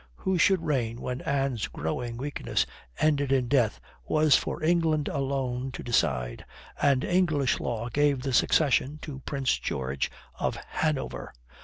Who should reign when Anne's growing weakness ended in death was for England alone to decide, and English law gave the succession to Prince George of Hanover.